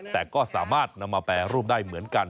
แต่ก็สามารถนำมาแปรรูปได้เหมือนกัน